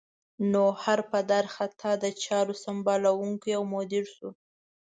نو هر پدر خطا د چارو سمبالوونکی او مدیر شو.